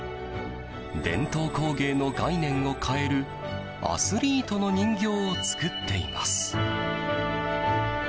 伝統工芸の概念を変えるアスリートの人形を作っています。